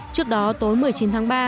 trước đó tối một mươi chín tháng ba